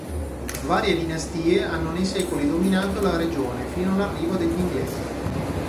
Varie dinastie hanno nei secoli dominato la regione fino all'arrivo degli inglesi.